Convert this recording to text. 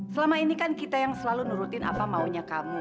selama ini kan kita yang selalu nurutin apa maunya kamu